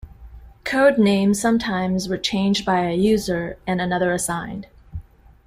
Code names sometimes were changed by a user and another assigned.